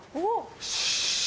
よし。